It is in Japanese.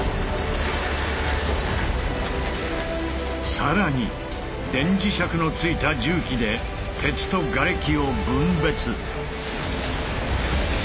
更に電磁石のついた重機で鉄とガレキを分別。